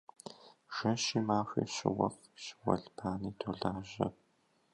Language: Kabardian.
Жэщи махуи щыуэфӏи щыуэлбани долажьэ.